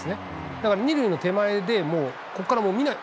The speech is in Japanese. だから２塁の手前でもう、ここから見ない。